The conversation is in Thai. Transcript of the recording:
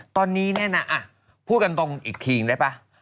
ตอนนี้นะพูดกันตรงอีกครีมได้ไหม